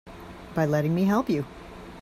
By letting me help you.